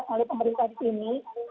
oleh pemerintah di sini